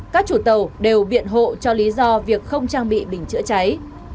các chủ tàu đều biện hộ cho lý do việc không trang bị bình chữa cháy